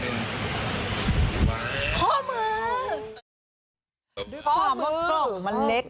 ดึกข้อมือข้อมือเพราะของมันเล็ก